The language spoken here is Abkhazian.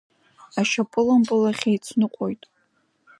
Ашьапылампыл ахь еицныҟәоит.